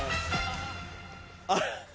あれ？